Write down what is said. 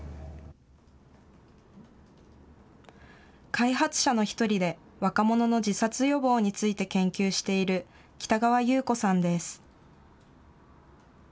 開発者の一人で、若者の自殺予防について研究している北川裕子さんです。